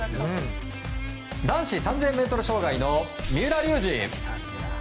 男子３０００ｍ障害の三浦龍司。